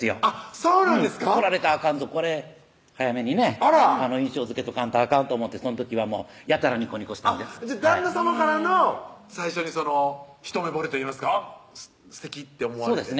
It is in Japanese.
そうなんですかとられたらあかんぞこれ早めにね印象づけとかんとあかんと思ってその時はやたらニコニコしたんです旦那さまからの最初に一目ぼれといいますかあっすてきって思われてそうですね